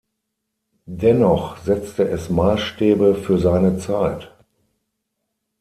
Dennoch setzte es Maßstäbe für seine Zeit.